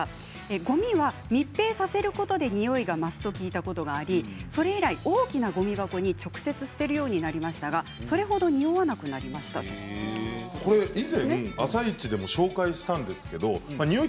ごみは密閉させることでニオイが増すと聞いたことがありそれ以来、大きなごみ箱に直接捨てるようになりましたが以前「あさイチ」でも紹介したんですけれどもニオイ